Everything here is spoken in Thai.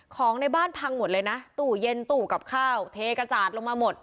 ของในบ้านพังหมดเลยนะตู้เย็นตู้กับข้าวเทกระจาดลงมาหมด